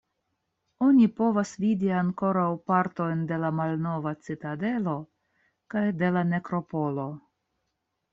Oni povas vidi ankoraŭ partojn de la malnova citadelo kaj de la nekropolo.